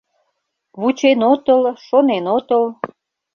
Вучен отыл, шонен отыл –